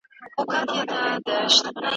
نوښت د نوي فکر پایله ده.